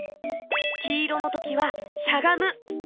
きいろのときはしゃがむ。